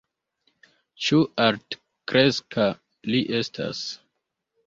Ĉu altkreska li estas?